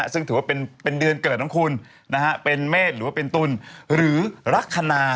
ซึ่งถือว่าเป็นเดือนเกิดของคุณเป็นเมษหรือว่าเป็นตุลหรือลักษณะ